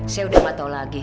saya udah matau lagi